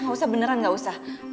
gak usah beneran gak usah